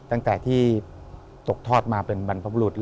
ตั้งแต่ที่ตกทอดมาเป็นบรรพบุรุษ